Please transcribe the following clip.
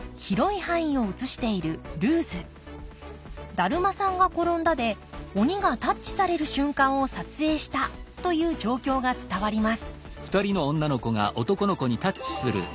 「だるまさんがころんだ」で鬼がタッチされる瞬間を撮影したという状況が伝わります